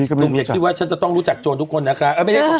หนุ่มอย่าคิดว่าฉันจะต้องรู้จักโจรทุกคนนะคะ